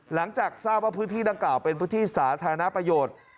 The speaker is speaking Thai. หลังจากทราบว่าพื้นที่ดังกล่าวเป็นพื้นที่สาธารณประโยชน์